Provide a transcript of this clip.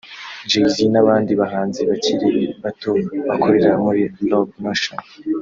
Jay Z n’abandi bahanzi bakiri bato bakorera muri Roc Nation